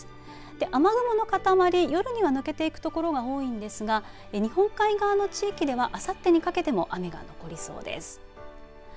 雨雲の塊夜には抜けていくところが多いんですが日本海側の地域ではあさってにかけても雨が降りそうです。